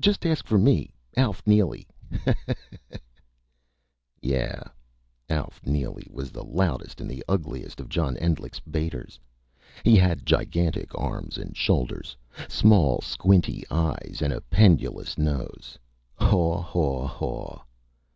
Just ask for me Alf Neely! Haw haw haw!" Yeah, Alf Neely was the loudest and the ugliest of John Endlich's baiters. He had gigantic arms and shoulders, small squinty eyes, and a pendulous nose. "Haw haw haw!..."